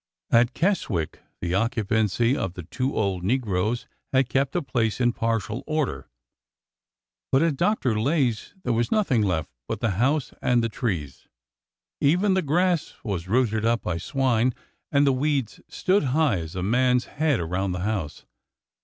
At Keswick the occupancy of the two old negroes had kept the place in partial order, but at Dr. Lay's there was nothing left but the house and the trees. Even the grass was rooted up by swine, and the weeds stood high as a man's head around the house.